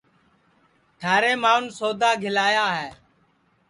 تھارے ماںٚون سودا گِھلایا ہے